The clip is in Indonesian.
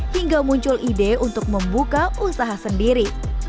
hingga muncul ide untuk membuka usaha sendiri